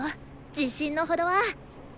自信のほどは？